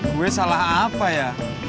gue salah apa ya